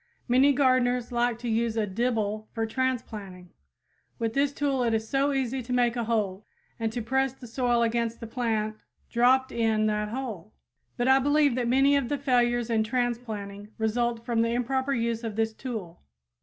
Many gardeners like to use a dibble for transplanting. With this tool it is so easy to make a hole, and to press the soil against the plant dropped in that hole! But I believe that many of the failures in transplanting result from the improper use of this tool.